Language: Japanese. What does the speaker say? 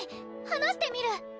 話してみる！